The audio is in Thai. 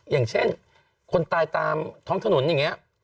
อย่างเช่นคนตายตามท้องถนนอย่างนี้